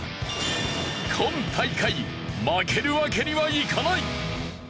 今大会負けるわけにはいかない！